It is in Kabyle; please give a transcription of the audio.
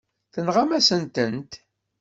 Tenɣam-asen-tent.